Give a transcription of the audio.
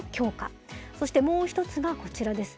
そしてもう一つがこちらです。